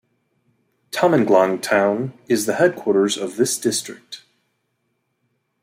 Tamenglong town is the headquarters of this district.